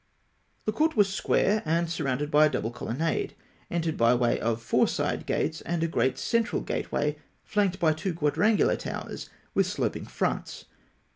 The court (I) was square, and surrounded by a double colonnade entered by way of four side gates and a great central gateway flanked by two quadrangular towers with sloping fronts.